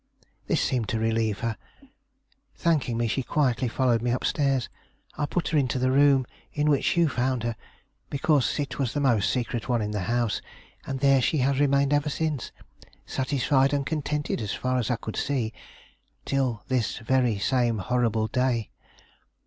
"This seemed to relieve her. Thanking me, she quietly followed me up stairs. I put her into the room in which you found her, because it was the most secret one in the house; and there she has remained ever since, satisfied and contented, as far as I could see, till this very same horrible day."